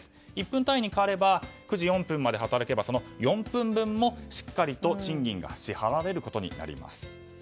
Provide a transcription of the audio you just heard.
１分単位に変われば９時４分まで働けば４分分もしっかり賃金が支払われることになります。